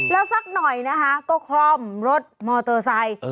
แล้วสักหน่อยนะคะก็คล่อมรถมอเตอร์ไซค์